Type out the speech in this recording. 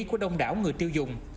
của đông đảo người tiêu dùng